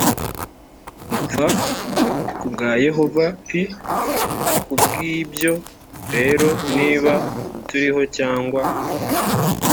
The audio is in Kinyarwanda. dupfa ku bwa yehova p ku bw ibyo rero niba turiho cyangwa